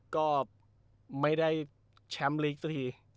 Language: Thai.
ก็ไม่ได้แชมป์ลีกสักที